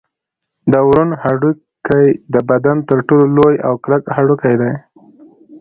د ورون هډوکی د بدن تر ټولو لوی او کلک هډوکی دی